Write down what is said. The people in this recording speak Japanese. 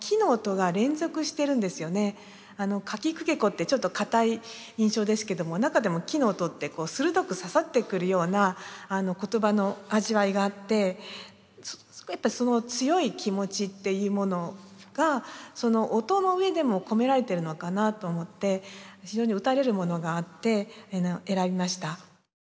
かきくけこってちょっと硬い印象ですけども中でも「き」の音って鋭く刺さってくるような言葉の味わいがあってやっぱ強い気持ちっていうものがその音の上でも込められているのかなと思って非常に打たれるものがあって選びました。